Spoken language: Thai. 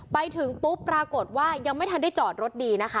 ไปถึงปุ๊บปรากฏว่ายังไม่ทันได้จอดรถดีนะคะ